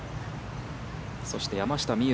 そして山下美夢